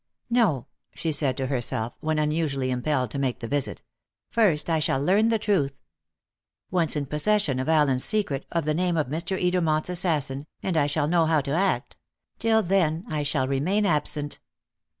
"No," she said to herself, when unusually impelled to make the visit; "first I shall learn the truth. Once in possession of Allen's secret, of the name of Mr. Edermont's assassin, and I shall know how to act; till then I shall remain absent."